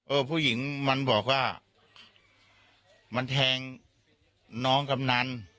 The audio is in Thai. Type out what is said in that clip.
ผู้หญิงมันบอกว่ามันแทงน้องกำนัน